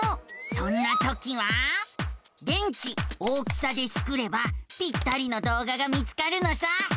そんなときは「電池大きさ」でスクればぴったりの動画が見つかるのさ。